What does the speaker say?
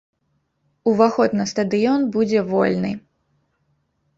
Уваход на стадыён будзе вольны.